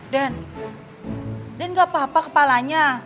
den den gak apa apa kepalanya